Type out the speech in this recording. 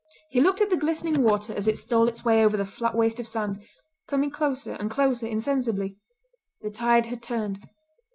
He looked at the glistening water as it stole its way over the flat waste of sand, coming closer and closer insensibly—the tide had turned.